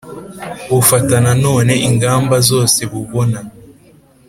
Bufata na none ingamba zose bubona